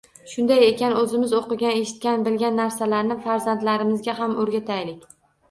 Shunday ekan, o‘zimiz o‘qigan, eshitgan, bilgan narsalarni farzandlarimizga ham o‘rgataylik.